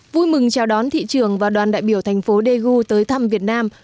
vui mừng chào đón thị trường và đoàn đại biểu thành phố daegu tới thăm việt nam